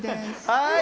はい！